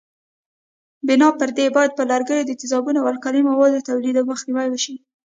بنا پر دې باید پر لرګیو د تیزابونو او القلي موادو توېدلو مخنیوی وشي.